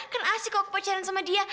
kan asik kok kebocoran sama dia